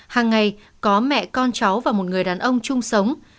hàng ngày có mẹ con cháu và một người đàn ông chung sống